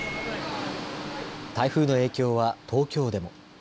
台風の影響は東京でも。